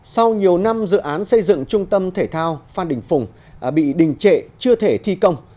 sau nhiều năm dự án xây dựng trung tâm thể thao phan đình phùng bị đình trệ chưa thể thi công